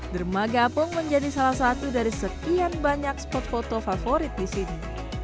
dermaga apung menjadi salah satu dari sekian banyak spot foto favorit di sini